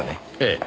ええ。